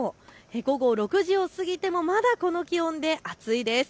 午後６時を過ぎてもまだこの気温で暑いです。